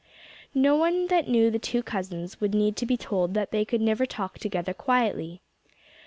No one that knew the two cousins would need to be told that they could never talk together quietly.